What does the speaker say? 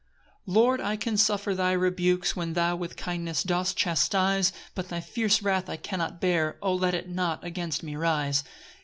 1 Lord, I can suffer thy rebukes, When thou with kindness dost chastise But thy fierce wrath I cannot bear, O let it not against me rise!